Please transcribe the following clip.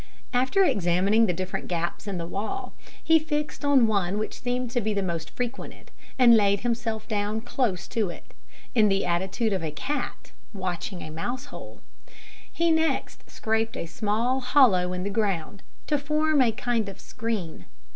After examining the different gaps in the wall, he fixed on one which seemed to be the most frequented, and laid himself down close to it, in the attitude of a cat watching a mouse hole. He next scraped a small hollow in the ground, to form a kind of screen.